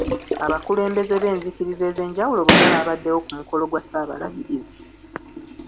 Abakulembeze b'enzikiriza ez'enjawulo bonna baabaddewo ku mukolo gwa Ssaabalabirizi.